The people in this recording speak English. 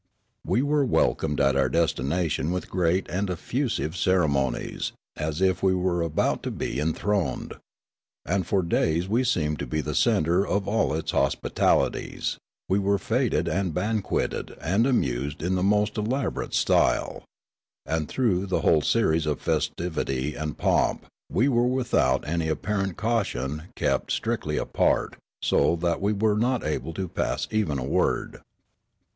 We were welcomed at our destination with great and effusive ceremonies as if we were about to be enthroned. And for days we seemed to be the centre of all its hos pitalities ; we were feted and banqueted and amused in the most elaborate style. And through the whole series of festivity and pomp we were without any apparent caution kept strictly apart, so that we were not able to pass even a word.